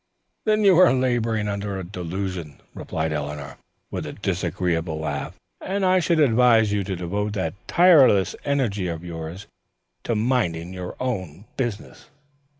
"Then you are laboring under a delusion," replied Eleanor, with a disagreeable laugh, "and I should advise you to devote that tireless energy of yours, to minding your own business."